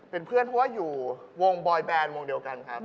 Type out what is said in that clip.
เป็นเพื่อนเพราะว่าอยู่วงบอยแบนวงเดียวกันครับ